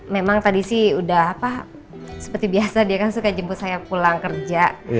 memang tadi sih udah apa seperti biasa dia kan suka jemput saya pulang kerja